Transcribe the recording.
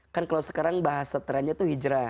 kan kalau sekarang bahasa trennya itu hijrah